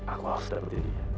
aku harus dapetin dia